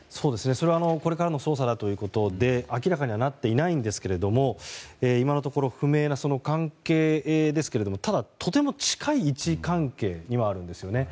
それはこれからの捜査だということで明らかにはなっていないんですけれども今のところ不明な関係ですがただ、とても近い位置関係にはあるんですよね。